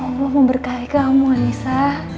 allah memberkahi kamu anissa